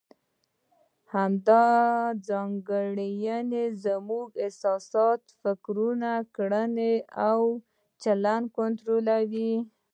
همدا ځانګړنې زموږ احساسات، فکرونه، کړنې او چلند کنټرولوي.